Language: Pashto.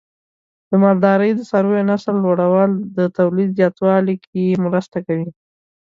د مالدارۍ د څارویو نسل لوړول د تولید زیاتوالي کې مرسته کوي.